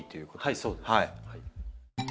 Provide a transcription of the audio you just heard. はいそうです。